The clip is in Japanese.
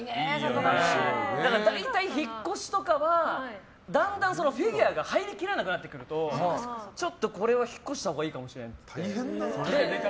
大体、引っ越しとかはだんだんフィギュアが入りきらなくなってくるとこれは引っ越したほうがいいかもしれんって。